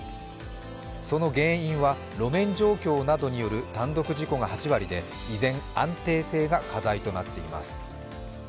その原因は路面状況などによる単独事故が８割で依然、安定性が課題となっています